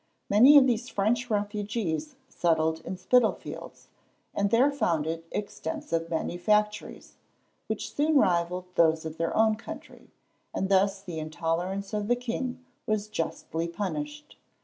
Many of these French refugees settled in Spitalfields, and there founded extensive manufactories, which soon rivalled those of their own country; and thus the intolerance of the king was justly punished.